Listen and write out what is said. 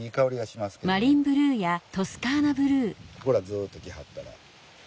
ここらずっと来はったら。